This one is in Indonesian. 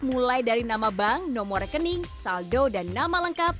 mulai dari nama bank nomor rekening saldo dan nama lengkap